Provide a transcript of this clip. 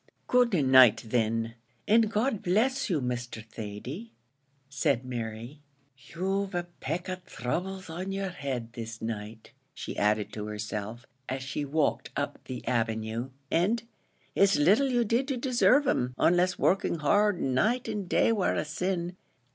"Good night, thin, an' God bless you, Mr. Thady," said Mary. "You've a peck of throubles on yer head, this night," she added to herself, as she walked up the avenue, "an' it's little you did to desarve 'em, onless working hard night an' day war a sin.